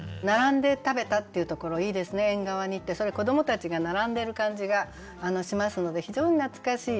「並んで食べた」っていうところいいですね「縁側に」って子どもたちが並んでる感じがしますので非常に懐かしい。